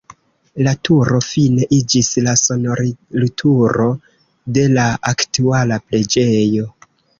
La turo fine iĝis la sonorilturo de la aktuala preĝejo.